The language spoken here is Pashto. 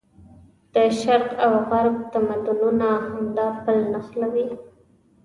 د شرق او غرب تمدونونه همدا پل نښلوي.